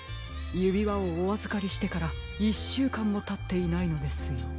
ゆびわをおあずかりしてから１しゅうかんもたっていないのですよ。